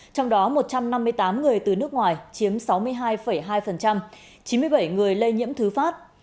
trong đó một trăm năm mươi tám người từ nước ngoài chiếm sáu mươi hai hai chín mươi bảy người lây nhiễm thứ phát